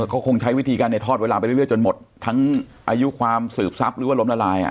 เขาคงใช้วิธีการในทอดเวลาไปเรื่อยจนหมดทั้งอายุความสืบทรัพย์หรือว่าล้มละลาย